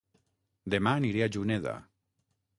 Dema aniré a Juneda